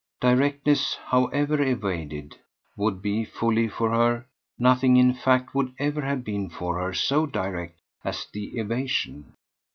Directness, however evaded, would be, fully, for HER; nothing in fact would ever have been for her so direct as the evasion.